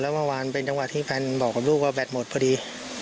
ครับทูแล้ววันเป็นจังหวัดที่แฟนบอกกับลูกว่าแบดหมดพอดี